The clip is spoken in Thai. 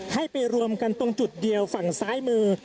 ให้ไปรวมกันตรงจุดเดียวฝั่งซ้ายมือ